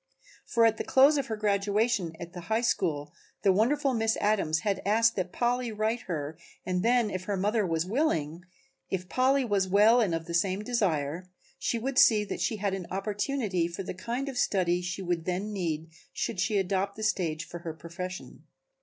For at the close of her graduation at the High School the wonderful Miss Adams had asked that Polly write her and then if her mother was willing, if Polly was well and of the same desire, she would see that she had an opportunity for the kind of study she would then need should she adopt the stage for her profession.